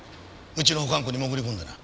うちの保管庫に潜り込んでな。